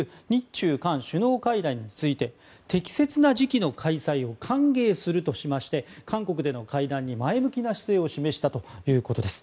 中韓首脳会談について適切な時期の開催を歓迎するとしまして韓国での会談に前向きな姿勢を示したということです。